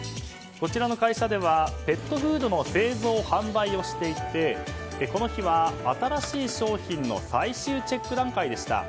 こちらの会社ではペットフードの製造・販売をしていてこの日は新しい商品の最終チェック段階でした。